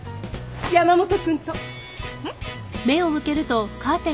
山本君と。えっ？